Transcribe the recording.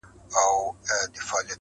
خاموسي تر ټولو قوي ځواب دی،